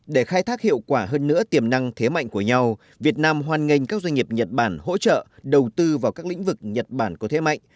để khai thác hiệu quả hơn nữa tiềm năng thế mạnh của nhau việt nam hoan nghênh các doanh nghiệp nhật bản hỗ trợ đầu tư vào các lĩnh vực nhật bản có thế mạnh